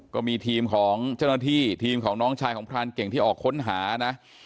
ก็มีทีมของเจ้าหน้าที่ทีมของน้องชายของพรานเก่งที่ออกค้นหานะ